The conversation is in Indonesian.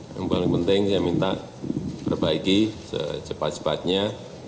yang paling penting saya minta perbaiki secepat cepatnya